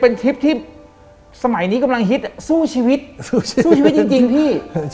เป็นทริปที่สมัยนี้กำลังฮิตสู้ชีวิตสู้ชีวิตจริงพี่